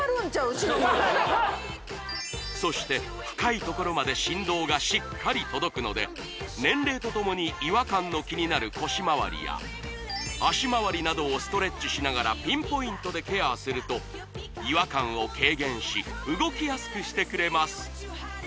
後ろにそして深いところまで振動がしっかり届くので年齢とともに違和感の気になる腰回りや脚回りなどをストレッチしながらピンポイントでケアすると違和感を軽減し動きやすくしてくれます